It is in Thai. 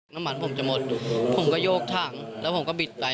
น้ำมันผมจะหมดผมก็โยกถังแล้วผมก็บิดไป